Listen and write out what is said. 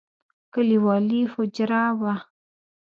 کليوالي حجره وه.